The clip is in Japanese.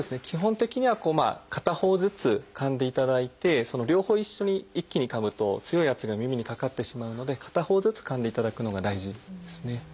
基本的には片方ずつかんでいただいて両方一緒に一気にかむと強い圧が耳にかかってしまうので片方ずつかんでいただくのが大事ですね。